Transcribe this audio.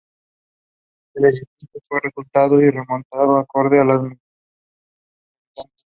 El edificio fue restaurado y remodelado acorde a las necesidades de sus habitantes.